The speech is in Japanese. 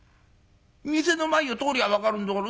店の前を通りゃあ分かるんだから。